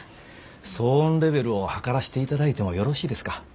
騒音レベルを測らしていただいてもよろしいですか？